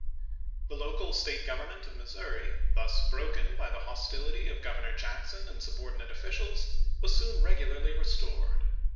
The local State Government of Missouri, thus broken by the hostility of Governor Jackson and subordinate officials, was soon regularly restored.